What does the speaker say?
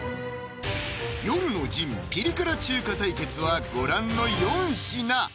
夜の陣・ピリ辛中華対決はご覧の４品！